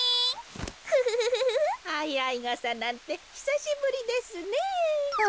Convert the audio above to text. あいあいがさなんてひさしぶりですねぇ。